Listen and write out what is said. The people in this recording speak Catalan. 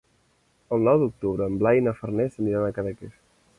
El nou d'octubre en Blai i na Farners aniran a Cadaqués.